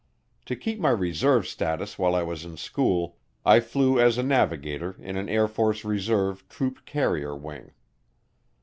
To keep my reserve status while I was in school, I flew as a navigator in an Air Force Reserve Troop Carrier Wing.